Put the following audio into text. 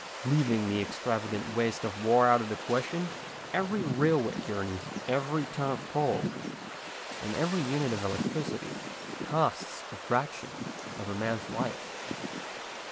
Leaving the extravagant waste of war out of the question, every rail way journey, every, ton of coal, and every unit of electricity costs a fraction of a man's life.